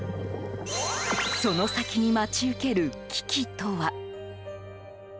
その先に待ち受ける危機とは？